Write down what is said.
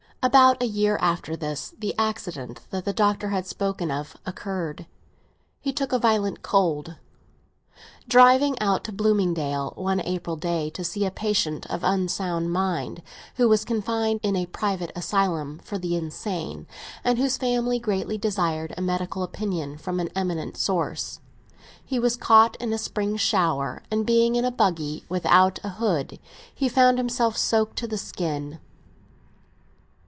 About a year after this, the accident that the Doctor had spoken of occurred; he took a violent cold. Driving out to Bloomingdale one April day to see a patient of unsound mind, who was confined in a private asylum for the insane, and whose family greatly desired a medical opinion from an eminent source, he was caught in a spring shower, and being in a buggy, without a hood, he found himself soaked to the skin.